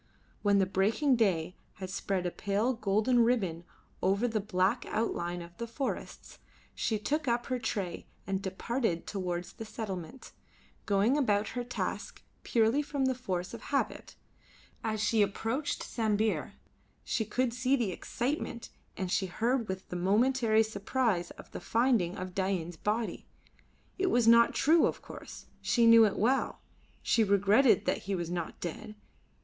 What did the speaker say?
When the breaking day had spread a pale golden ribbon over the black outline of the forests, she took up her tray and departed towards the settlement, going about her task purely from the force of habit. As she approached Sambir she could see the excitement and she heard with momentary surprise of the finding of Dain's body. It was not true, of course. She knew it well. She regretted that he was not dead.